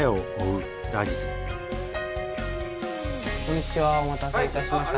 こんにちはお待たせいたしました。